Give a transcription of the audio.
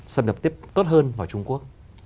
xâm nhập tiếp tốt hơn vào trung quốc